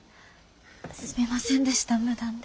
すみませんでした無断で。